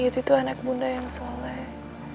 itu anak bunda yang soleh